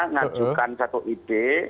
ngajukan satu ide